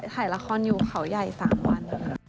ถ่ายละครอยู่เขาใหญ่๓วัน